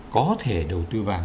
có thể đầu tư vàng